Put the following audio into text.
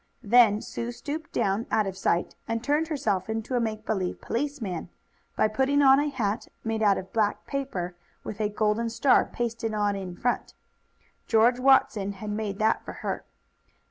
Then Sue stooped down, out of sight, and turned herself into a make believe policeman, by putting on a hat, made out of black paper, with a golden star pasted on in front. George Watson had made that for her.